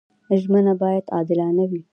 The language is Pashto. ژمنه باید عادلانه وي.